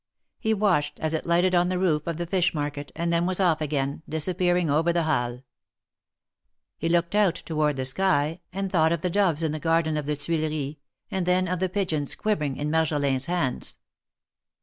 He watched as it lighted on the roof of the fish market, and then was off again, disappearing over the Halles. Pie looked out toward the sky, and thought of the doves in the garden of the Tuileries, and then of the pigeons quivering in Marjolin's hands.